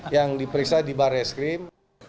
yang diperiksa di baris krim